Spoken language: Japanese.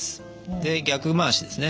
で逆回しですね。